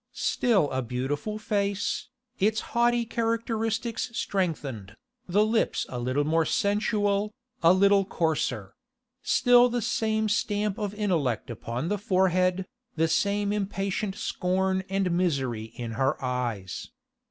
Still a beautiful face, its haughty characteristics strengthened, the lips a little more sensual, a little coarser; still the same stamp of intellect upon the forehead, the same impatient scorn and misery in her eyes.